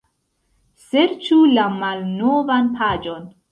Serĉu la malnovan paĝon.